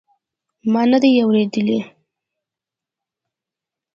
ما ندي اورېدلي.